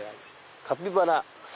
「カピバラ笹